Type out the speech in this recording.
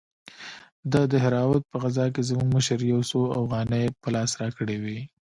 د دهراوت په غزا کښې زموږ مشر يو څو اوغانۍ په لاس راکړې وې.